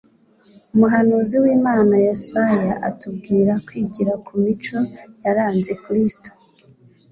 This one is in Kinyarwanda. umuhanuzi w'imana yesaya atubwira kwigira ku mico yaranze kristo